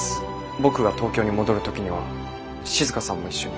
僕が東京に戻る時には静さんも一緒に。